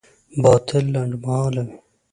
باطل لنډمهاله وي.